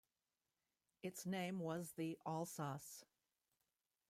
Its name was the "Alsace".